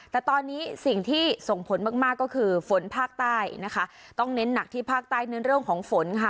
แต่ตอนนี้สิ่งที่ส่งผลมากมากก็คือฝนภาคใต้นะคะต้องเน้นหนักที่ภาคใต้เน้นเรื่องของฝนค่ะ